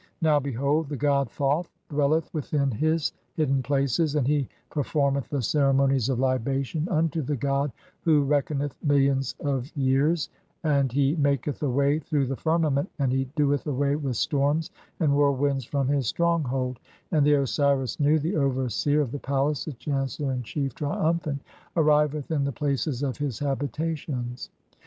Now, behold, the god Thoth dwelleth "within his hidden places, and he performeth the ceremonies "of libation (14) unto the god who reckoneth millions of years, "and he maketh a way through the firmament, and he doeth "away with storms and whirlwinds from his stronghold , and "the Osiris Nu, the overseer of the palace, the chancellor in "chief, triumphant, arriveth in the places of his (15) habitations.